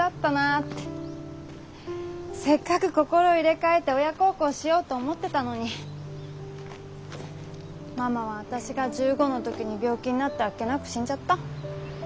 せっかく心を入れ替えて親孝行しようと思ってたのにママは私が１５の時に病気になってあっけなく死んじゃった。